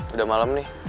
udah malem nih